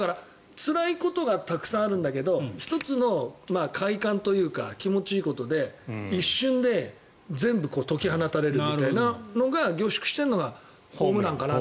つらいことがたくさんあるんだけど１つの快感というか気持ちいいことで一瞬で全部解き放たれるみたいなのが凝縮しているのがホームランかな。